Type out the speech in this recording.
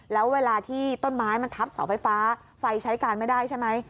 แล้วเวลาที่ต้นไม้มันทับเสาไฟฟ้าไฟใช้การไม่ได้ใช่ไหม